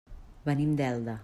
Venim d'Elda.